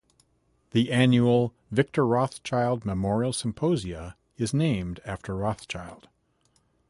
The annual "Victor Rothschild Memorial Symposia" is named after Rothschild.